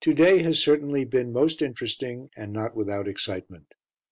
To day has certainly been most interesting, and not without excitement.